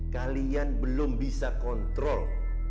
kalian belum bisa kontrol